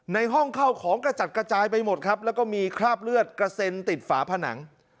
ในห้องเข้าของกระจัดกระจายไปหมดครับแล้วก็มีคราบเลือดกระเซ็นติดฝาผนัง